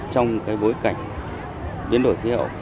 trong cái bối cảnh biến đổi khí hậu